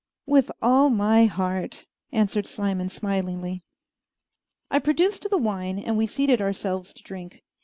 "With all my heart," answered Simon smilingly. I produced the wine and we seated ourselves to drink.